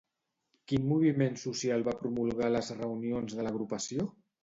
Quin moviment social va promulgar a les reunions de l'agrupació?